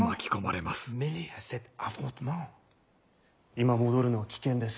「今戻るのは危険です。